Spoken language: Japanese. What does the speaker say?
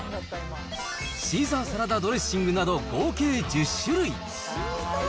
シーザーサラダドレッシングなど、合計１０種類。